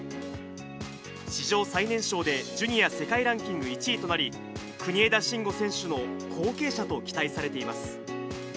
史上最年少でジュニア世界ランキング１位となり、国枝慎吾選手の後継者と期待されています。